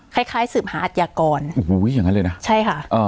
คล้ายคล้ายสืบหาอัธยากรโอ้โหอย่างนั้นเลยนะใช่ค่ะอ่า